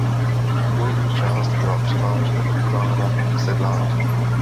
Dolní část byla převážně obývána sedláky.